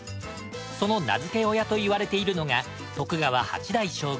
その名づけ親といわれているのが。